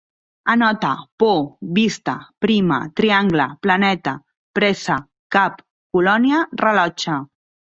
Anota: por, vista, prima, triangle, planeta, pressa, cap, colònia, rellotge